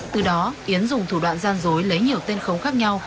từ đó yến dùng thủ đoạn gian dối lấy nhiều tên khống khác nhau